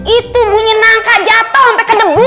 itu bunyi nangka jatuh sampai ke debu